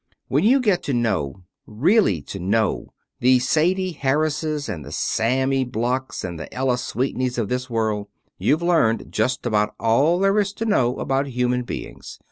When you get to know really to know the Sadie Harrises and the Sammy Blochs and the Ella Sweeneys of this world, you've learned just about all there is to know about human beings.